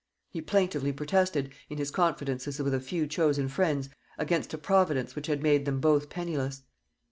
He plaintively protested, in his confidences with a few chosen friends, against a Providence which had made them both penniless.